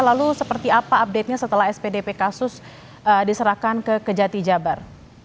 lalu seperti apa update nya setelah spdp kasus diserahkan ke kejati jabar